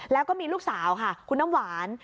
แล้วก็มีลูกสาวค่ะคุณน้ำหวาน